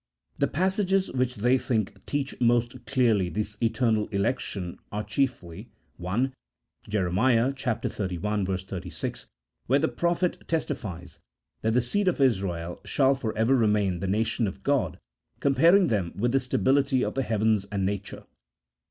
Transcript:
The passages which they think teach most clearly this eternal election, are chiefly :— (1.) Jer. xxxi. 36, where the prophet testifies that the seed of Israel shall for ever remain the nation of God, com paring them with the stability of the heavens and nature ; (2.)